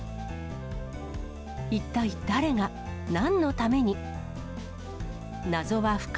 一体誰が、なんのために。